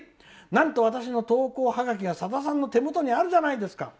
なんと私の投稿ハガキがさださんの手元にあるじゃないですか。